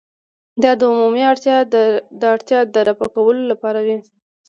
دا د عمومي اړتیا د رفع کولو لپاره وي.